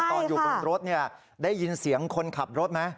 ตอนอยู่บนรถได้ยินเสียงคนขับรถไหม